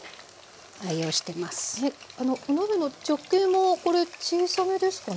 お鍋の直径もこれ小さめですかね？